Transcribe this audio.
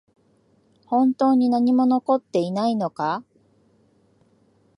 本当に何も残っていないのか？